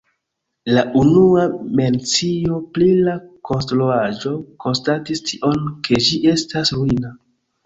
La unua mencio pri la konstruaĵo konstatis tion, ke ĝi estas ruina.